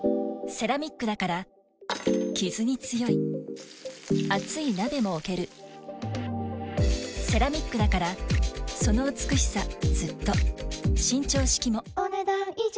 セラミックだからキズに強い熱い鍋も置けるセラミックだからその美しさずっと伸長式もお、ねだん以上。